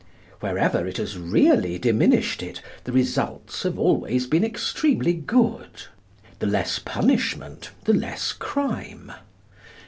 Wherever it has really diminished it, the results have always been extremely good. The less punishment, the less crime.